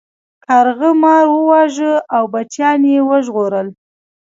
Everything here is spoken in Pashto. کارغه مار وواژه او بچیان یې وژغورل.